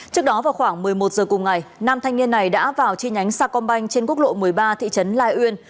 trước đó vào khoảng một mươi một giờ cùng ngày nam thanh niên này đã vào chi nhánh sa công banh trên quốc lộ một mươi ba thị trấn lai uyên